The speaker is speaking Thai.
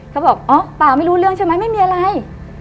เขาบอกอ๋อเปล่าไม่รู้เรื่องใช่ไหมไม่มีอะไร